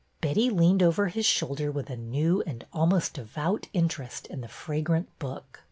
Betty leaned over his shoulder with a new and almost devout interest in the fragrant book.